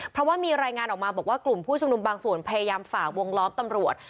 เพราะว่ามีรายงานออกมาบอกว่ากลุ่มผู้ชุมนุมบางส่วนพยายามฝ่าวงล้อมตำรวจ